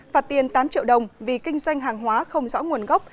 phạt tiền tám triệu đồng vì kinh doanh hàng hóa không rõ nguồn gốc